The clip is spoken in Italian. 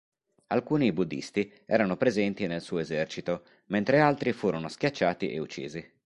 Alcuni buddhisti erano presenti nel suo esercito mentre altri furono schiacciati e uccisi.